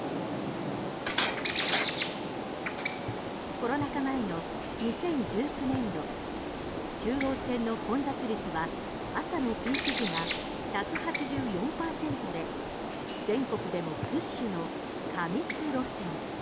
コロナ禍前の２０１９年度中央線の混雑率は朝のピーク時が１８４％で全国でも屈指の過密路線。